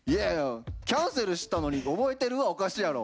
キャンセルしたのに「おぼえてる？」はおかしいやろ。